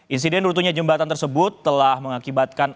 insiden rutunya jembatan tersebut telah mengakibatkan